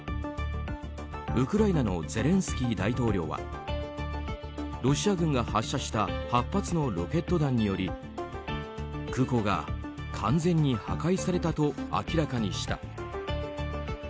ウクライナのゼレンスキー大統領はロシア軍が発射した８発のロケット弾により空港が完全に破壊されたと明らかにした。